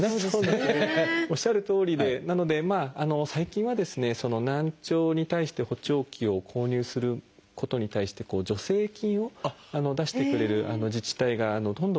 おっしゃるとおりでなので最近はですねその難聴に対して補聴器を購入することに対して助成金を出してくれる自治体がどんどん増えているような状況です。